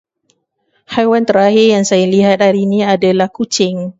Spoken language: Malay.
Haiwan terakhir yang saya lihat hari ini adalah kucing.